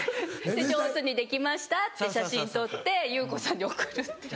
上手にできましたって写真撮ってゆう子さんに送るっていう。